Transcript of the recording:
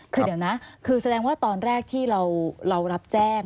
คือเดี๋ยวนะคือแสดงว่าตอนแรกที่เรารับแจ้ง